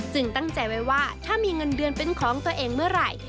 ตั้งใจไว้ว่าถ้ามีเงินเดือนเป็นของตัวเองเมื่อไหร่